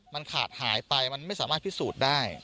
มันขาดหายไปมันไม่สามารถพิสูจน์ได้